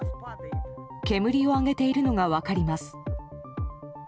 煙を上げているのが分かります。